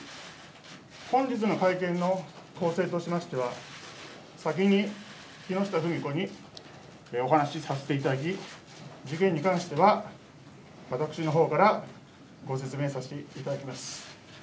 本日の会見の構成としましては、先に木下富美子にお話しさせていただき、事件に関しては、私のほうからご説明させていただきます。